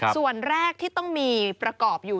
ส่วนแรกที่ต้องมีประกอบอยู่